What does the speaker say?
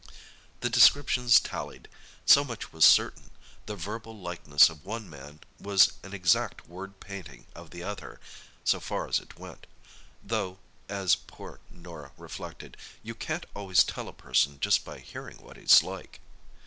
The descriptions tallied. So much was certain. The verbal likeness of one man was an exact word painting of the other, so far as it went, "though," as poor Norah reflected, "you can't always tell a person just by hearing what he's like."